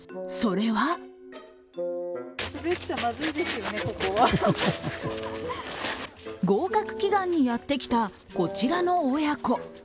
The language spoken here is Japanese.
それは合格祈願にやってきたこちらの親子。